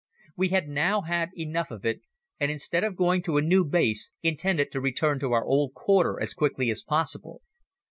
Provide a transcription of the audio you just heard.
We had now had enough of it and instead of going to a new base intended to return to our old quarter as quickly as possible.